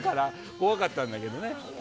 怖かったんだけどね。